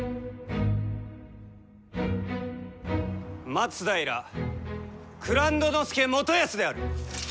松平蔵人佐元康である！